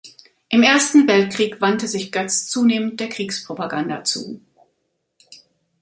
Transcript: Im Ersten Weltkrieg wandte sich Goetz zunehmend der Kriegspropaganda zu.